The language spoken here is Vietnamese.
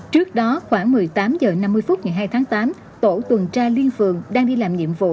trước đó khoảng một mươi tám h năm mươi phút ngày hai tháng tám tổ tuần tra liên phường đang đi làm nhiệm vụ